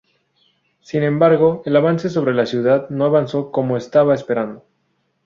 Sin embargo, el avance sobre la ciudad no avanzó como estaba esperado.